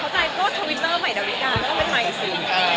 ใช่หมายเข้าใจก็ทวิตเตอร์หมายดาวริกาก็เป็นหมายสื่อ